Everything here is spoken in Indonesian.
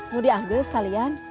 mau dianggil sekalian